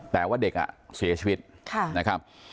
แต่ว่าเด็กเสียชีวิตนะครับ